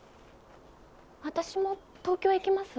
私も東京へ行きますわ。